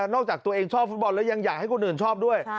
จากตัวเองชอบฟุตบอลแล้วยังอยากให้คนอื่นชอบด้วย